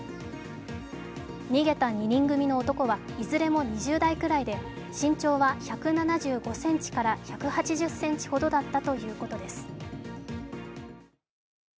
逃げた２人組の男はいずれも２０代くらいで身長は１７５ｃｍから１８０ｃｍほどだったということです。